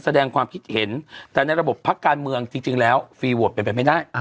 แสดงความคิดเห็นแต่ในระบบพักการเมืองจริงแล้วฟีโวทเป็นไปไม่ได้